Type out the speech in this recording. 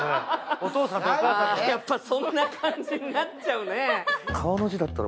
やっぱ、そんな感じになっちゃうね。